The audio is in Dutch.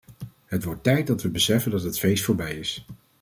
Het wordt tijd dat we beseffen dat het feest voorbij is.